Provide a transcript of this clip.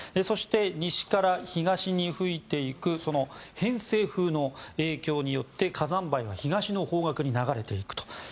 そして、西から東に吹いていく偏西風の影響によって火山灰は東の方角に流れていくと。